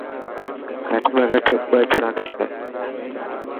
گهٽ ۾ گهٽ ٻه ڄڻا کپي.